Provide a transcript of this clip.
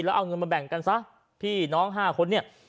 แล้วเอาเงินมาแบ่งกันซะพี่น้อง๕คนเนี่ย